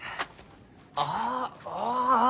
ああああ。